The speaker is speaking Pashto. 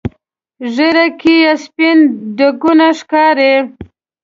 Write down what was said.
ږیره کې یې سپین ډکونه ښکاري.